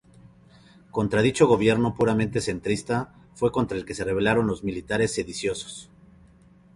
Contra dicho Gobierno puramente centrista fue contra el que se rebelaron los militares sediciosos.